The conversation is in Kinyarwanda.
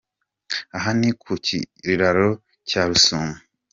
Aha ni ku kiraro cya Rusumo.